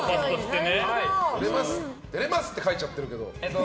出れますって書いちゃってるけど。